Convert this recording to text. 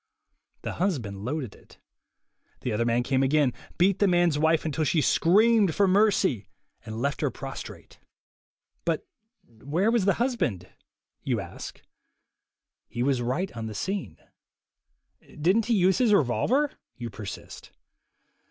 The husband loaded it. The other man came again, beat the man's wife until she screamed for mercy, and left her prostrate. THE WAY TO WILL POWER 83 "But where was the husband?" you ask. He was right on the scene. "Didn't he use his revolver?" you persist.